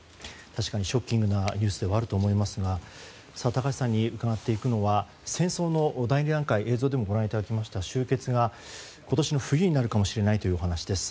確かにショッキングなニュースではあると思いますが高橋さんに伺っていくのは戦争の第２段階、映像でもご覧いただきましたが、終結が今年の冬になるかもしれないというお話です。